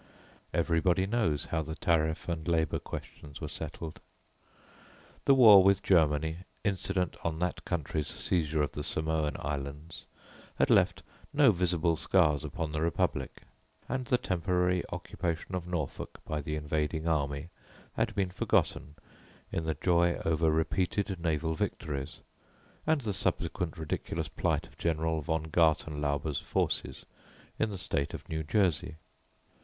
Everybody knows how the Tariff and Labour questions were settled. The war with Germany, incident on that country's seizure of the Samoan Islands, had left no visible scars upon the republic, and the temporary occupation of Norfolk by the invading army had been forgotten in the joy over repeated naval victories, and the subsequent ridiculous plight of General Von Gartenlaube's forces in the State of New Jersey.